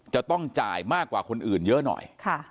จะต้องจ่ายมากกว่าคนอื่นเยอะหน่อย